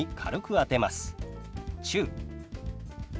「中」。